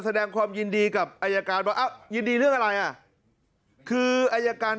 แสดงความยินดีกับอายการว่าอ้าวยินดีเรื่องอะไรอ่ะคืออายการ